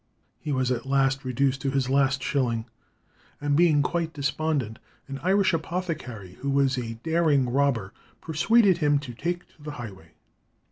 He was at last reduced to his last shilling, and being quite despondent, an Irish apothecary, who was a daring robber, persuaded him to take to the highway.